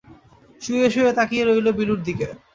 শুয়ে-শুয়ে তাকিয়ে রইল বিলুর দিকে।